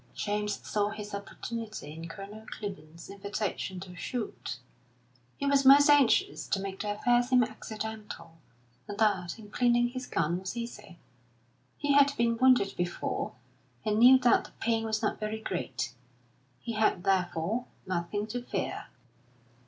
James saw his opportunity in Colonel Clibborn's invitation to shoot; he was most anxious to make the affair seem accidental, and that, in cleaning his gun, was easy. He had been wounded before and knew that the pain was not very great. He had, therefore, nothing to fear.